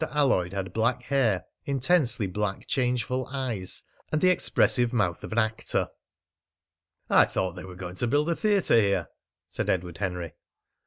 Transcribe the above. Alloyd had black hair, intensely black, changeful eyes, and the expressive mouth of an actor. "I thought they were going to build a theatre here," said Edward Henry.